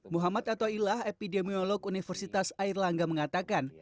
muhammad atoilah epidemiolog universitas airlangga mengatakan